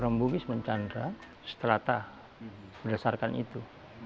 orang bugis mencandra setelah tah berdasarkan itu